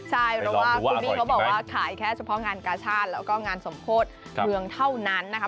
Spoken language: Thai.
ใช่เพราะว่าคุณมี่เขาบอกว่าขายแค่เฉพาะงานกาชาติแล้วก็งานสมโพธิเมืองเท่านั้นนะคะ